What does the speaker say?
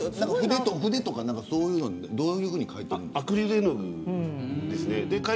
筆とか、そういうのでどういうふうに描いてるんですか。